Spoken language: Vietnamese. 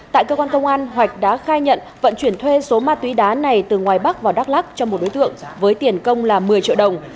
tại cơ quan công an hoạch đã khai nhận vận chuyển thuê số ma túy đá này từ ngoài bắc vào đắk lắc cho một đối tượng với tiền công là một mươi triệu đồng